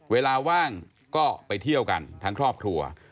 เวลาว่างก็ไปเที่ยวกันทั้งครอบครัว